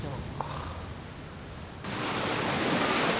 ああ。